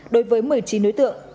đối với một mươi chín đối tượng